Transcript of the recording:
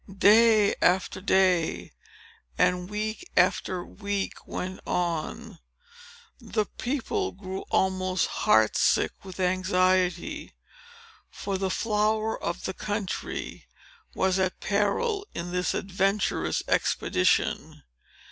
Day after day, and week after week, went on. The people grew almost heart sick with anxiety; for the flower of the country was at peril in this adventurous expedition.